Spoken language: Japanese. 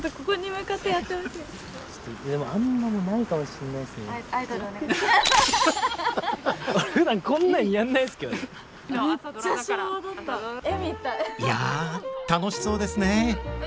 いや楽しそうですねえ